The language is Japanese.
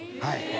はい。